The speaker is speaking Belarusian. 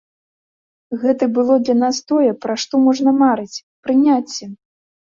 Гэта было для нас тое, пра што можна марыць,— прыняцце!